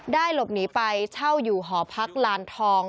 หลบหนีไปเช่าอยู่หอพักลานทอง